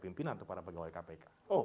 pimpinan atau para pegawai kpk